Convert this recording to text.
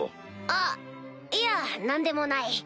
あっいや何でもない。